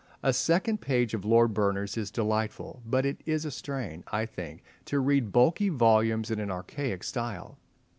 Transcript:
A single page of Lord Berners is delightful; but it is a strain, I think, to read bulky volumes in an archaic style.